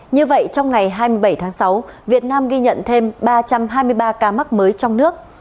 như vậy trong ngày hai mươi bảy tháng sáu việt nam ghi nhận thêm ba trăm hai mươi ba ca mắc mới trong nước